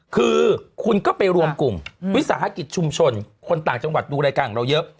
คือคุณก็ไปรวมกลุ่มวิสาหกิจชุมชนคนต่างจังหวัดดูรายการของเราเยอะ